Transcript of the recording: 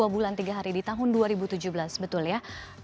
dua bulan tiga hari di tahun dua ribu tujuh belas betul ya